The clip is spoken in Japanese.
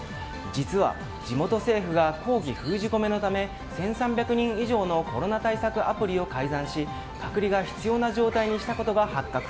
実は地元政府が抗議封じ込めのため１３００人以上のコロナ対策アプリを改ざんし隔離が必要な状態にしたことが発覚。